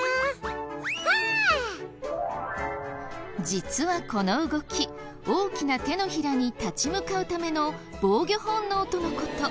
実はこの動き大きな手のひらに立ち向かうための防御本能との事。